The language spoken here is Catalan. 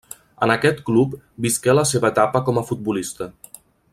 En aquest club visqué la seva etapa com a futbolista.